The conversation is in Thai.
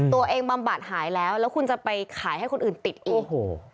ตัวเองบำบัดหายแล้วแล้วคุณจะไปขายให้คนอื่นติดอีก